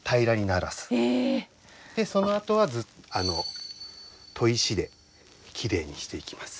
そのあとは砥石できれいにしていきます。